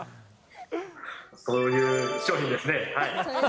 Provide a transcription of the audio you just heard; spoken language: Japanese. そういう商品ですね。